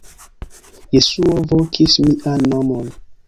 Jesuo vokis mian nomon.